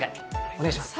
お願いします